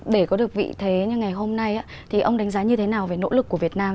để có được vị thế như ngày hôm nay thì ông đánh giá như thế nào về nỗ lực của việt nam